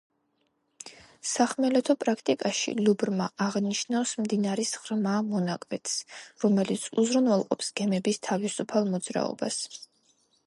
სახმელეთო პრაქტიკაში ლუბრმა აღნიშნავს მდინარის ღრმა მონაკვეთს, რომელიც უზრუნველყოფს გემების თავისუფალ მოძრაობას.